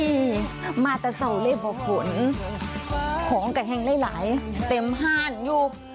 โอ้ยมาตะเซาเล่บอบฝนของกะแห่งหลายหลายเต็มห้านอยู่